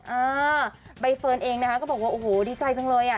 เออใบเฟิร์นเองนะคะก็บอกว่าโอ้โหดีใจจังเลยอ่ะ